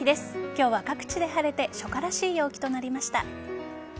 今日は各地で晴れて初夏らしい陽気となりました。